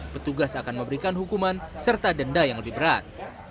petugas akan memberikan hukuman serta denda yang lebih berat